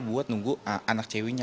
buat nunggu anak ceweknya